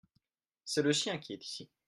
C’est le sien qui est ici.